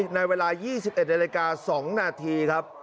ในเวลา๒๑นาฬิกา๒นาทีครับ